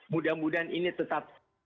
mudah mudahan ini tetap